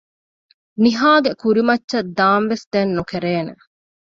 ނިހާގެ ކުރިމައްޗަށް ދާންވެސް ދެން ނުކެރޭނެ